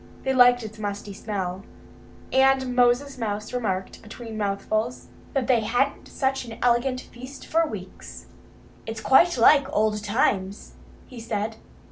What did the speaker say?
They liked its musty smell. And Moses Mouse remarked between mouthfuls that they hadn't had such an elegant feast for weeks. "It's quite like old times," he said.